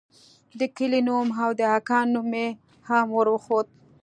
د کلي نوم او د اکا نوم مې هم وروښود.